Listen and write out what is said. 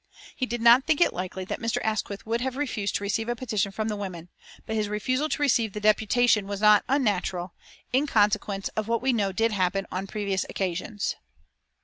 He did not think it likely that Mr. Asquith would have refused to receive a petition from the women, but his refusal to receive the deputation was not unnatural, "in consequence of what we know did happen on previous occasions."